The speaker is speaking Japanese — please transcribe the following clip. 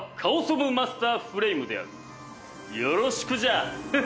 よろしくじゃ。